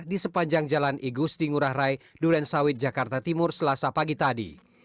di sepanjang jalan igusti ngurah rai duren sawit jakarta timur selasa pagi tadi